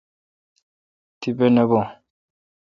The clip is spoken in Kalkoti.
تیپہ نہ بھو۔